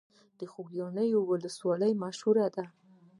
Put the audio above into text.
د خوږیاڼیو ولسوالۍ مشهوره ده